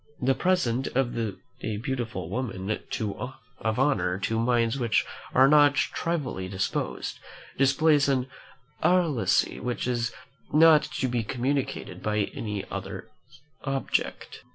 The presence of a beautiful woman of honour, to minds which are not trivially disposed, displays an alacrity which is not to be communicated by any other object.